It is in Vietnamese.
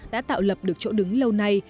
đã tạo lập được chỗ đứng lâu nay